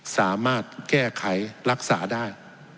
สามารถแก้ไขรักษาได้